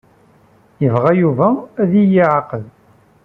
Yebɣa Yuba ad iyi-ɛaqeb.